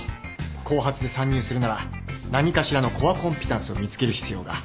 後発で参入するなら何かしらのコアコンピタンスを見つける必要が。